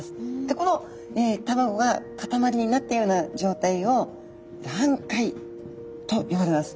この卵が固まりになったような状態を卵塊と呼ばれます。